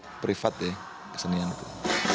iwan berharap pertunjukannya dapat meningkatkan